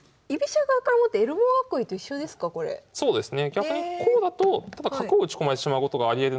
逆にこうだとただ角を打ち込まれてしまうことがありえるので。